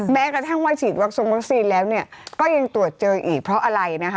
แม้กระทั่งว่าฉีดวักษณ์วัคซีนแล้วก็ยังตรวจเจออีกเพราะอะไร